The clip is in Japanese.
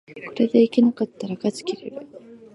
これでいけなかったらがちで切れる